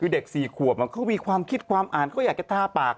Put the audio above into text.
คือเด็ก๔ขวบเขามีความคิดความอ่านเขาอยากจะทาปาก